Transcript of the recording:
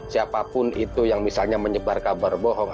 siapapun itu yang misalnya menyebar kabar bohong